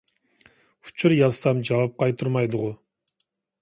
ئۇچۇر يازسام جاۋاب قايتۇرمايدىغۇ.